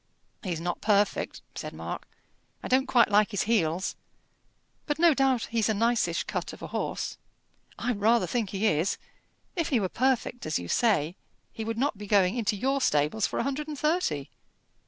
"He's not perfect," said Mark. "I don't quite like his heels; but no doubt he's a nicish cut of a horse." "I rather think he is. If he were perfect, as you say, he would not be going into your stables for a hundred and thirty.